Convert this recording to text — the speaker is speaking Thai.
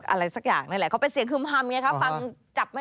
อะไรสักอย่างนั่นแหละเขาเป็นเสียงฮึมฮำไงคะฟังจับไม่